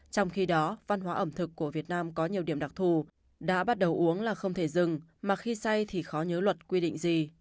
trong khi đó văn hóa ẩm thực của việt nam có nhiều điểm đặc thù đã bắt đầu uống là không thể dừng mà khi say thì khó nhớ luật quy định gì